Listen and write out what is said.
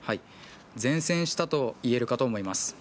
善戦したといえるかと思います。